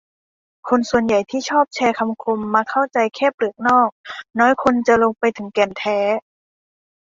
คนส่วนใหญ่ที่ชอบแชร์คำคมมักเข้าใจแค่เปลือกนอก น้อยคนจะลงไปถึงแก่นแท้